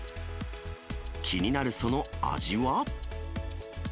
気になるその味は？